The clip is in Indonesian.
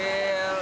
ya liburan sambil